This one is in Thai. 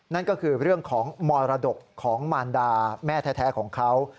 นั่นก็คือเรื่องของมรดกของมารดาแม่แท้ของเขา